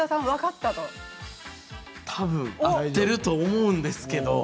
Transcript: たぶん合っていると思うんですけど。